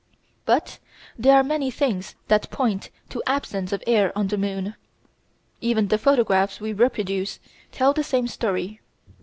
] But there are many things that point to absence of air on the moon. Even the photographs we reproduce tell the same story.